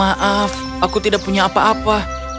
maaf aku tidak punya apa apa